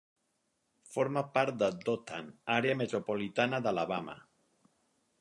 Forma part de Dothan, àrea metropolitana d'Alabama.